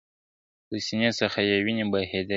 له سینې څخه یې ویني بهېدلې ,